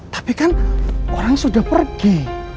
tapi kan orang sudah pergi